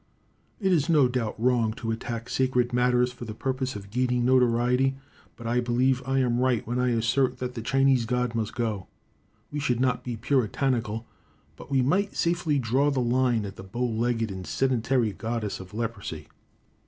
It is, no doubt, wrong to attack sacred matters for the purpose of gaining notoriety; but I believe I am right, when I assert that the Chinese god must go. We should not be Puritanical, but we might safely draw the line at the bow legged and sedentary goddess of leprosy.